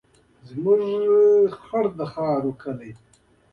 دلته د صنعتي کېدو لپاره هېڅ هیله مندۍ نښې نه وې موجودې.